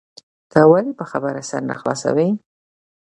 ته ولي په خبره سر نه خلاصوې؟